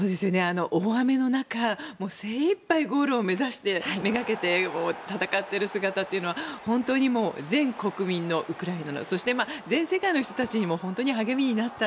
大雨の中、精いっぱいゴールを目指してめがけて戦っている姿というのは本当にウクライナ全国民のそして全世界の人たちにも励みになった